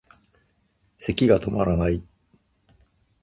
咳がとまらない